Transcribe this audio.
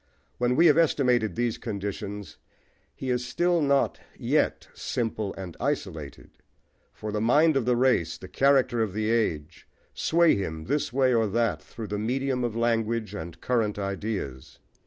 When we have estimated these conditions he is still not yet simple and isolated; for the mind of the race, the character of the age, sway him this way or that through the medium of language and current ideas.